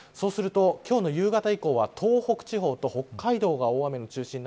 今日の夕方以降は東北地方と北海道が雨の中心に